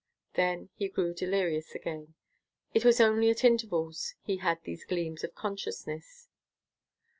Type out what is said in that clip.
Then he grew delirious again. It was only at intervals he had these gleams of consciousness.